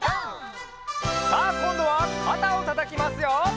「」さあこんどはかたをたたきますよ。